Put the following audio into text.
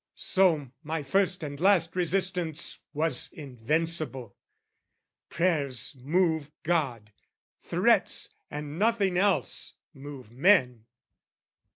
So, my first And last resistance was invincible. Prayers move God; threats, and nothing else, move men!